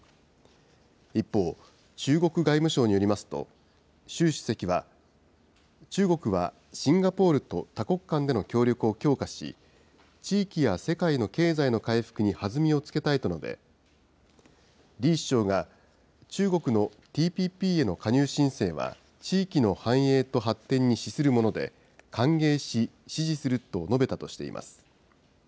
一方、中国外務省によりますと、習主席は、中国はシンガポールと多国間での協力を強化し、地域や世界の経済の回復に弾みをつけたいと述べ、リー首相が中国のＴＰＰへの加入申請は地域の繁栄と発展に資するもので、歓迎し支持すると述べたとしています。